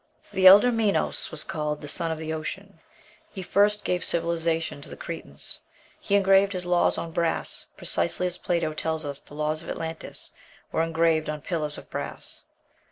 The elder Minos was called "the Son of the Ocean:" he first gave civilization to the Cretans; he engraved his laws on brass, precisely as Plato tells us the laws of Atlantis were engraved on pillars of brass.